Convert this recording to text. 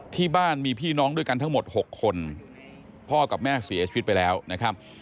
ที่บ้านมีพี่น้องด้วยกันทั้งหมด๖คนพ่อกับแม่เสียชีวิตไปแล้วนะครับ